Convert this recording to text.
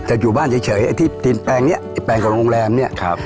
จะอยู่บ้านเฉยเฉยไอ้ที่ทีนแปงเนี้ยแปงกับโรงแรมเนี้ยครับ